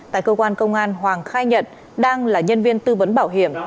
tại cơ quan công an hoàng khai nhận đang là nhân viên tư vấn bảo hiểm